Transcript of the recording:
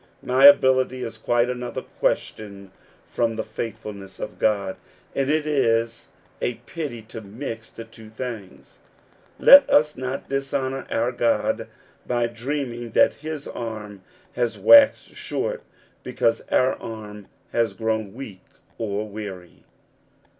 My ability is quite another question from the faithfulness of God, and it is a pity to mix the two things. Let us not dishonor our God by dreaming that his arm has waxed short because our arm has grown weak or weary.